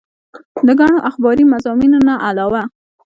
د ګڼو اخباري مضامينو نه علاوه